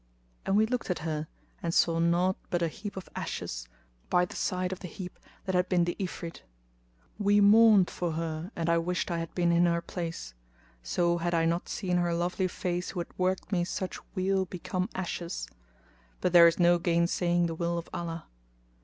And we looked at her and saw naught but a heap of ashes by the side of the heap that had been the Ifrit. We mourned for her and I wished I had been in her place, so had I not seen her lovely face who had worked me such weal become ashes; but there is no gainsaying the will of Allah.